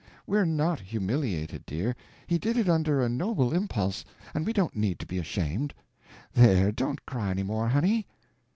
We're not humiliated, dear, he did it under a noble impulse and we don't need to be ashamed. There, don't cry any more, honey."